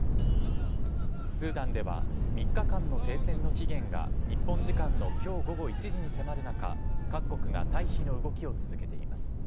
スーダンでは３日間の停戦の期限が日本時間のきょう午後１時に迫る中、各国が退避の動きを続けています。